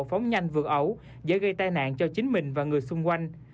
phóng nhanh vượt ẩu dễ gây tai nạn cho chính mình và người xung quanh